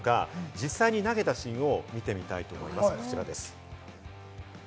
実際に投げたシーンを見てみたいと思います、こちらです。